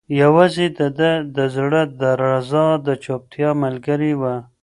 یوازې د ده د زړه درزا د چوپتیا ملګرې وه.